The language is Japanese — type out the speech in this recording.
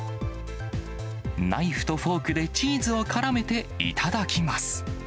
ナイフとフォークでチーズをからめて頂きます。